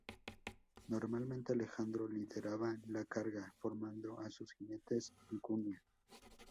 Normalmente, Alejandro lideraba la carga, formando a sus jinetes en cuña.